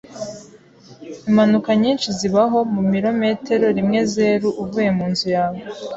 Impanuka nyinshi zibaho mumirometero rimwezeru uvuye munzu yawe.